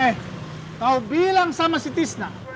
eh kau bilang sama si tisna